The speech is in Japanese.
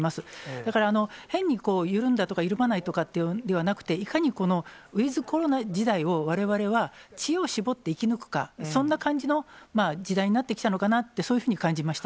だから、変に緩んだとか、緩まないとかではなくて、いかにこのウィズコロナ時代を、われわれは知恵を絞って生き抜くか、そんな感じの時代になってきたのかなって、そういうふうに感じました。